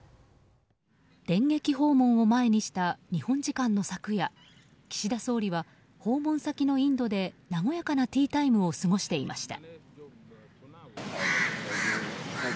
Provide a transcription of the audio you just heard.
電撃訪問を前にした日本時間の昨夜岸田総理は、訪問先のインドで和やかなティータイムを過ごしていました。